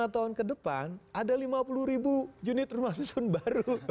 lima tahun ke depan ada lima puluh ribu unit rumah susun baru